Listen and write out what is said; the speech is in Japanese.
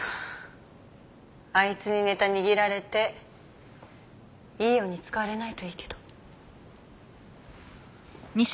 あいつにネタ握られていいように使われないといいけど。